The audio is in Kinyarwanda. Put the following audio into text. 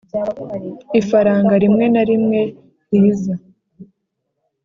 ifaranga rimwe na rimwe riza